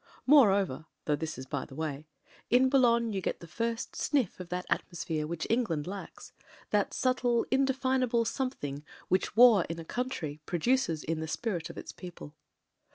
Moreover — though this is by the way — in Boulogne you get the first sniff of that atmosphere which Eng land lacks; that subtle, indefinable something which war in a coimtry produces in the spirit of its peo ple.